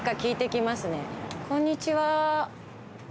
こんにちは。